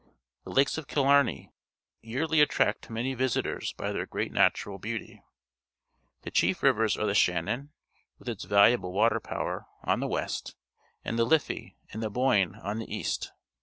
The Lakes of Killnrney yearly at tract many visitors by their great natural beauty. The chief rivers are the Shannon, with its valuable water power, on the west, and the Liffeij and the Boyne on the east.